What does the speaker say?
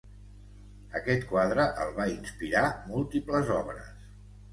Aquest quadre el va inspirar múltiples obres.